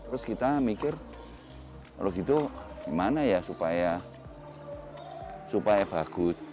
terus kita mikir kalau gitu gimana ya supaya bagus